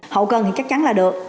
hậu cần thì chắc chắn là được